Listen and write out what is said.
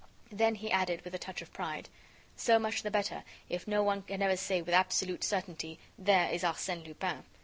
Then he added, with a touch of pride: "So much the better if no one can ever say with absolute certainty: There is Arsène Lupin!